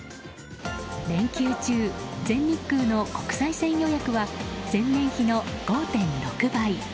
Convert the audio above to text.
連休中、全日空の国際線予約は前年比の５．６倍。